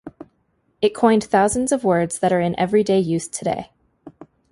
It coined thousands of words that are in everyday use today.